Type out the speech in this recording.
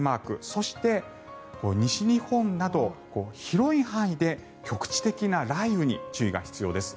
そして、西日本など広い範囲で局地的な雷雨に注意が必要です。